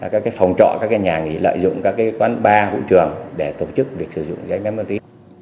các phòng trọ các nhà nghị lợi dụng các quán bar vũ trường để tổ chức việc sử dụng dây ma túy